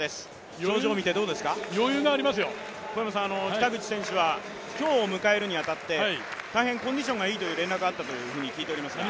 北口選手は今日を迎えるに当たって大変コンディションがいいという連絡があったと聞いていますが。